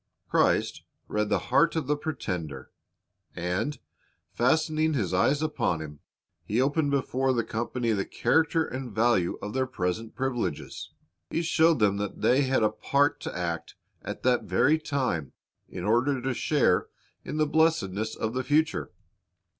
Christ read the heart of the pretender, and, fastening His eyes upon him. He opened before the company the character and value of their present privileges. He showed them that they had a part to act at that very time, in order to share in the blessedness of the future.